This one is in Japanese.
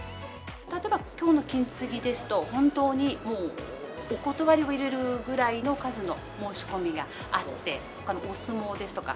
例えばきょうの金継ぎですと、本当にもう、お断りを入れるぐらいの数の申し込みがあって、お相撲ですとか、